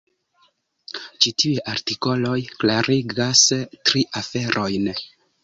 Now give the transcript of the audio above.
Ĉi tiuj artikoloj klarigas tri aferojn.